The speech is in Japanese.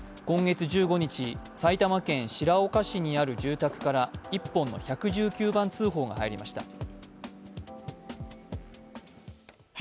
今月１５日、埼玉県白岡市にある住宅から１本の１１９番通報が入りました。